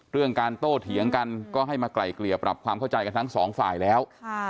เรื่องการโต้เถียงกันก็ให้มาไกลเกลี่ยปรับความเข้าใจกันทั้งสองฝ่ายแล้ว